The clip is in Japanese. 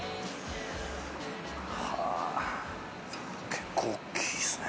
結構大きいっすね